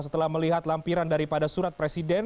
setelah melihat lampiran daripada surat presiden